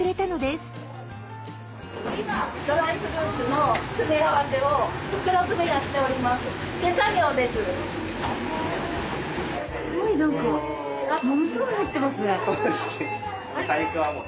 すごい何かものすごい入ってますね。